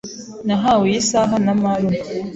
Nahawe iyi saha na marume.